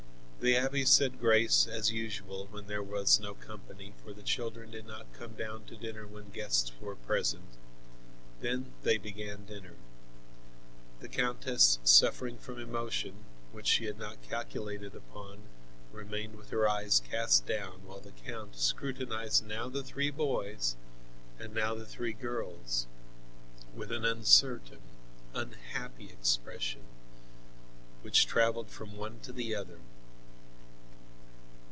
The abbe said grace as usual when there was no company, for the children did not come down to dinner when guests were present. Then they began dinner. The countess, suffering from emotion, which she had not calculated upon, remained with her eyes cast down, while the count scrutinized now the three boys and now the three girls with an uncertain, unhappy expression, which travelled from one to the other.